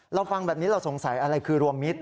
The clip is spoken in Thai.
เราฟังแบบนี้เราสงสัยอะไรคือรวมมิตร